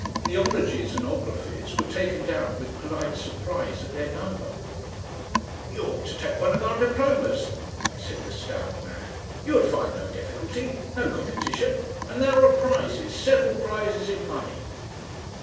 The 'ologies and 'ographies were taken down with polite surprise at their number. "You ought to take one of our diplomas," said the stout man. "You would find no difficulty. No competition. And there are prizes several prizes in money."